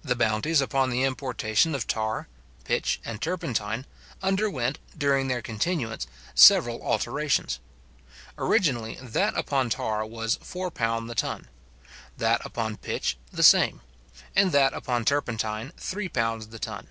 The bounties upon the importation of tar, pitch, and turpentine, underwent, during their continuance, several alterations. Originally, that upon tar was £4 the ton; that upon pitch the same; and that upon turpentine £3 the ton.